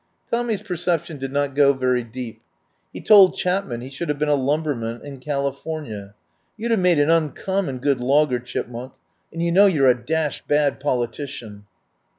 Tommy's perception did not go very deep. He told Chapman he should have been a lumberman in California. "You'd have made an uncommon good logger, Chip munk, and you know you're a dashed bad poli tician."